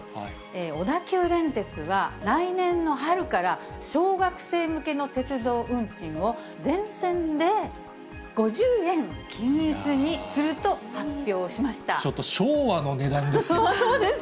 小田急電鉄は、来年の春から小学生向けの鉄道運賃を全線で５０円均一にすると発ちょっと昭和の値段ですよ。